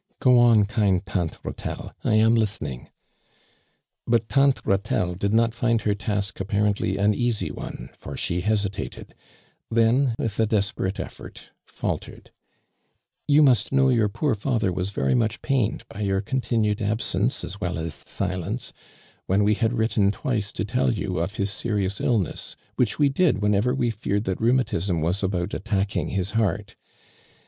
" Go on, kind tante Ritelle, I am listen in?." But tante Rivtelle di»l not find her task apparently an easy one, for she hesitated — then, with a desperate effort, faltered :" You must know your poor father Wfas very much pained by your continued ab sence, as well as silence, when we had written twice to tell you of his serious illness, which we did whenever we feared that rheu matism was about attacking his heart.